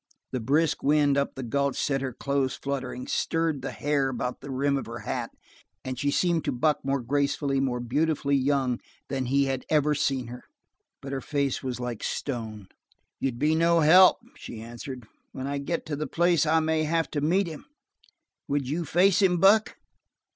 The brisk wind up the gulch set her clothes fluttering, stirred the hair about the rim of her hat, and she seemed to Buck more gracefully, more beautifully young than he had ever seen her; but her face was like stone. "You'd be no help," she answered. "When I get to the place I may have to meet him! Would you face him, Buck?"